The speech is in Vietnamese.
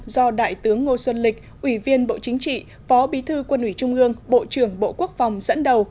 do đại tướng ngô xuân lịch ủy viên bộ chính trị phó bí thư quân ủy trung ương bộ trưởng bộ quốc phòng dẫn đầu